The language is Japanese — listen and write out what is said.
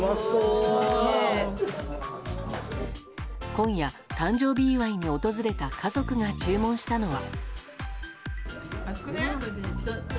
今夜、誕生日祝いに訪れた家族が注文したのは。